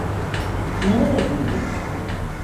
Nerede büyüdün?